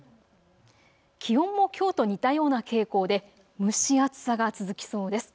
気温もきょうと似たような傾向で蒸し暑さが続きそうです。